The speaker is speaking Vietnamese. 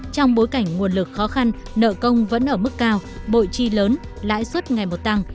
trong bối cảnh nguồn lực khó khăn nợ công vẫn ở mức cao bội chi lớn lãi suất ngày một tăng